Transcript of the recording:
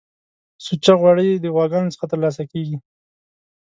سوچه غوړی د غواګانو څخه ترلاسه کیږی